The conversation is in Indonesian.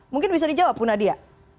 mungkin bisa dijawab bu nadia